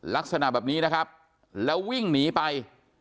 ลักษณะแบบนี้นะครับแล้ววิ่งหนีไป